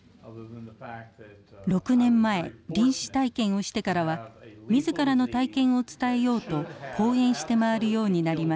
６年前臨死体験をしてからは自らの体験を伝えようと講演して回るようになりました。